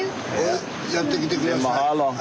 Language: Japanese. やってきて下さい。